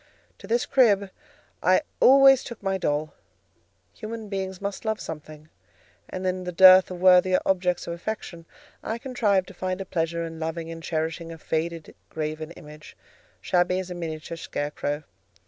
To this crib I always took my doll; human beings must love something, and, in the dearth of worthier objects of affection, I contrived to find a pleasure in loving and cherishing a faded graven image, shabby as a miniature scarecrow.